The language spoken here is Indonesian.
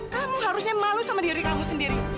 kamu harusnya malu sama diri kamu sendiri